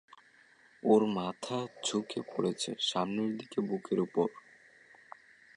ওর মাথা ঝুকে পড়েছে সামনের দিকে বুকের উপর।